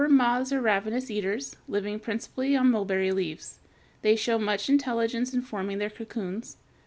] Silkworm moths are ravenous eaters, living principally on mulberry leaves. They show much intelligence in forming their cocoons.